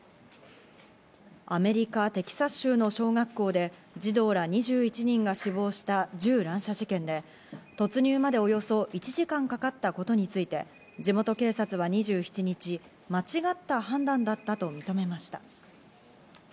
アメリカ・テキサス州の小学校で児童ら２１人が死亡した銃乱射事件で、突入までおよそ１時間かかったことについて、地元警察は２７日、間違った判断だったと認めました。